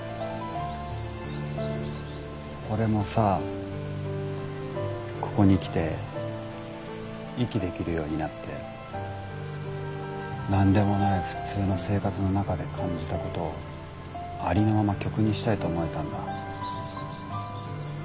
俺もさここに来て息できるようになって何でもない普通の生活の中で感じたことありのまま曲にしたいと思えたんだ。